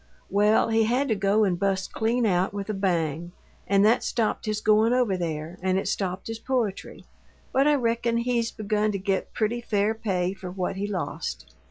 Well, he had to go and bust clean out with a bang; and that stopped his goin' over there, and it stopped his poetry, but I reckon he's begun to get pretty fair pay for what he lost.